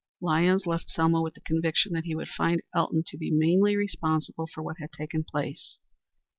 Lyons left Selma with the conviction that he would find Elton to be mainly responsible for what had taken place.